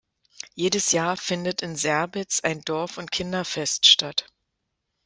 Jedes Jahr findet in Serbitz ein Dorf- und Kinderfest statt.